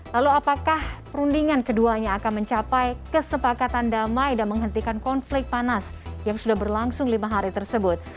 lalu apakah perundingan keduanya akan mencapai kesepakatan damai dan menghentikan konflik panas yang sudah berlangsung lima hari tersebut